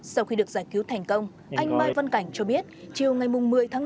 sau khi được giải cứu thành công anh mai văn cảnh cho biết chiều ngày một mươi tháng năm